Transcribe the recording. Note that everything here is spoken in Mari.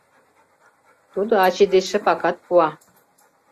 Тудо ачый деч шыпакат пуа.